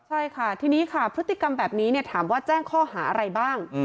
ใช่ค่ะทีนี้ค่ะพฤติกรรมแบบนี้ถามว่าแจ้งข้อหาอะไรบ้าง